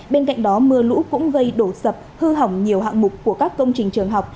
bên cạnh đó mưa lũ cũng gây đổ sập hư hỏng nhiều hạng mục của các công trình trường học